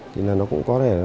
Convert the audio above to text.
thì nó cũng có thể